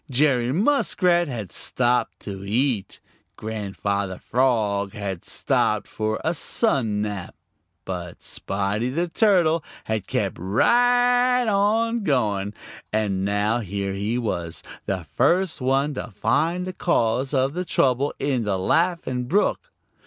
Jerry Muskrat had stopped to eat. Grandfather Frog had stopped for a sun nap. But Spotty the Turtle had kept right on going, and now here he was, the first one to find the cause of the trouble in the Laughing Brook.